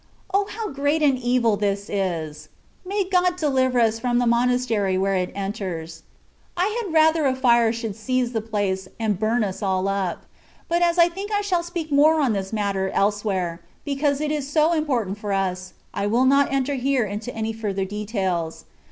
O ! how great an evil this is ! May God deliver us from the monastery where it enters. I had rather a fire should seize the place, and burn us all up. But as I think I shaU speak more on this matter elsewhere, because it is so important for us, I will not enter here into any further details.